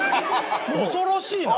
恐ろしいな。